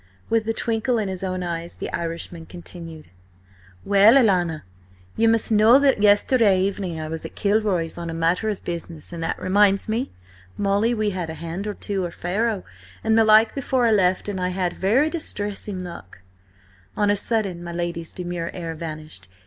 With a twinkle in his own eyes the Irishman continued: "Well, alanna, ye must know that yesterday evening I was at Kilroy's on a matter of business–and that reminds me, Molly, we had a hand or two at faro and the like before I left, and I had very distressing luck—" On a sudden my lady's demure air vanished.